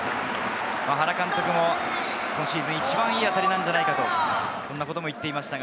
原監督も今シーズン、一番いい当たりなんじゃないかと言っていました。